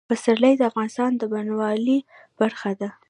پسرلی د افغانستان د بڼوالۍ برخه ده.